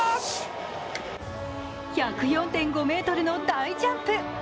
１０４．５ｍの大ジャンプ。